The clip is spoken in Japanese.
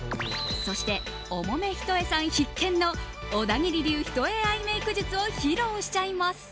そして、重め一重さん必見の小田切流一重アイメイク術を披露しちゃいます。